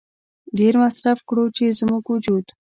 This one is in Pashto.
ډېر مصرف کړو چې زموږ وجود